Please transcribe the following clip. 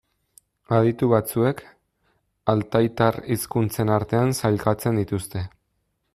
Aditu batzuek, altaitar hizkuntzen artean sailkatzen dituzte.